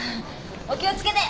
お気をつけて！